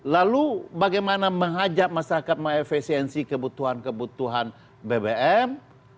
lalu bagaimana mengajak masyarakat mengefesiensi kebutuhan kebutuhan bbm